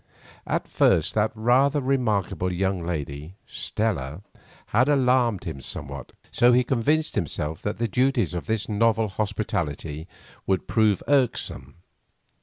At first that rather remarkable young lady, Stella, had alarmed him somewhat, so that he convinced himself that the duties of this novel hospitality would prove irksome.